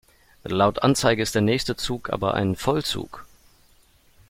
Laut Anzeige ist der nächste Zug aber ein Vollzug.